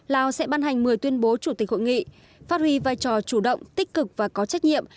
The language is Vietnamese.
lào sẽ ban hành một mươi tuyên bố chủ tịch hội nghị phát huy vai trò chủ động tích cực và có trách nhiệm